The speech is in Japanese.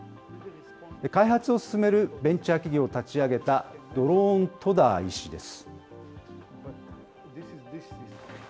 開発を進めるベンチャー企業を立ち上げた、ドローン・トダー医師です。